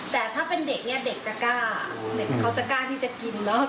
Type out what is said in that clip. แต่ถ้าเป็นเด็กเนี่ยเด็กจะกล้าเด็กเขาจะกล้าที่จะกินเนอะ